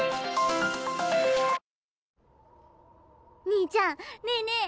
兄ちゃんねえねえ